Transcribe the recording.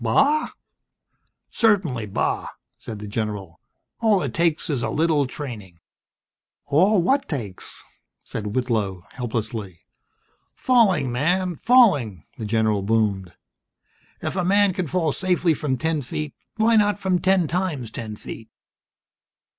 "Bah?" "Certainly bah!" said the general. "All it takes is a little training." "All what takes?" said Whitlow, helplessly. "Falling, man, falling!" the general boomed. "If a man can fall safely from ten feet Why not from ten times ten feet!?"